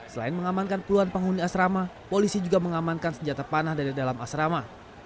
selain mengamankan puluhan penghuni asrama polisi juga mengamankan senjata panah dari dalam asrama